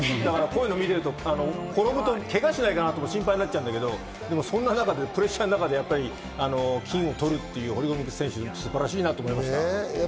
こういうの見てると、転ぶとケガしないかなって心配なっちゃうんですけど、そんなプレッシャーの中で金を取るっていう堀米選手、素晴らしいなと思いました。